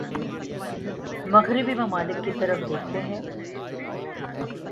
مغربی ممالک کی طرف دیکھتے ہیں